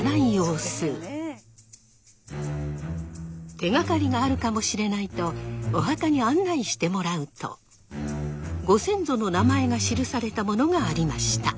手がかりがあるかもしれないとお墓に案内してもらうとご先祖の名前が記されたものがありました。